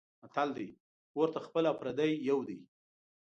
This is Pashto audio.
متل دی: اور ته خپل او پردی یو دی.